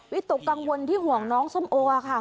ตกกังวลที่ห่วงน้องส้มโอค่ะ